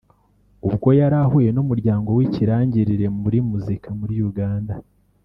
ubwo yari yahuye n’umuryango w’ikirangirire muri muzika muri Uganda